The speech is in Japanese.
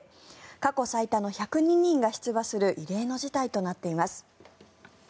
過去最多の１０２人が出馬する異例の事態となっています。